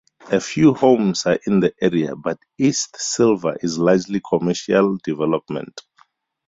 A few homes are in the area, but East Sylva is largely commercial development.